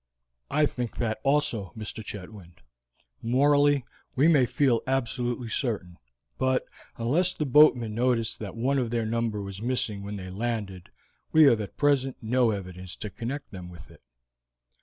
"I think that also, Mr. Chetwynd. Morally, we may feel absolutely certain; but, unless the boatmen noticed that one of their number was missing when they landed, we have at present no evidence to connect them with it."